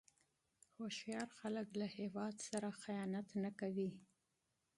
هوښیار خلک له هیواد سره خیانت نه کوي.